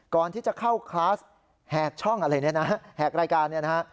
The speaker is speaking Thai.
ก่อนที่จะเข้าคลาสแหกช่องอะไรเนี่ยนะฮะแหกรายการเนี่ยนะฮะ